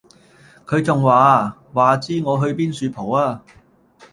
佢仲話:話知我去邊恕蒲吖